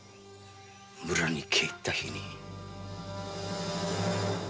村に帰って来た日に。